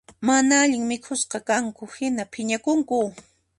Mana allin mikhusqakanku hina phiñakunku